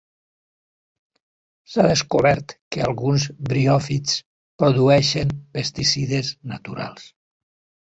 S'ha descobert que alguns briòfits produeixen pesticides naturals.